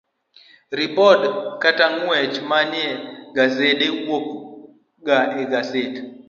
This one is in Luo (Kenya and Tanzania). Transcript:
Ripode kata Gweche Manie Gasede wuok ga e gaset